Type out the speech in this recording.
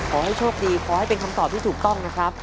ขอให้โชคดีขอให้เป็นคำตอบที่ถูกต้องนะครับ